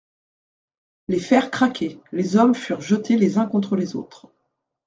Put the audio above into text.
Les fers craquaient, les hommes furent jetés les uns contre les autres.